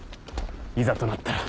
いざとなったら。